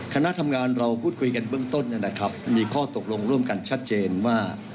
คณะทำงานเราพูดคุยกันเบื้องต้นนะครับมีข้อตกลงร่วมกันชัดเจนว่า